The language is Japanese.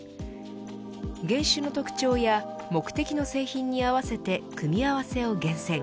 原酒の特徴や目的の製品に合わせて組み合わせを厳選。